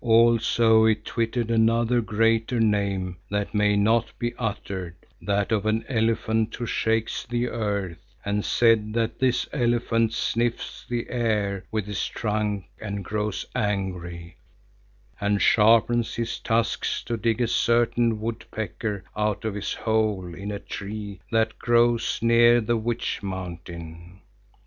Also it twittered another greater name that may not be uttered, that of an elephant who shakes the earth, and said that this elephant sniffs the air with his trunk and grows angry, and sharpens his tusks to dig a certain Woodpecker out of his hole in a tree that grows near the Witch Mountain.